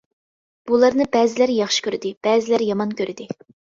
بۇلارنى بەزىلەر ياخشى كۆردى، بەزىلەر يامان كۆردى.